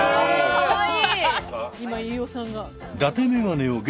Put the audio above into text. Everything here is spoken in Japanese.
かわいい！